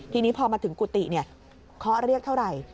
ทีนี้พอมาถึงกุฏิเคาะเรียกเท่าไหร่